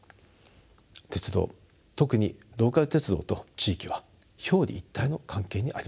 鉄道特にローカル鉄道と地域は表裏一体の関係にあります。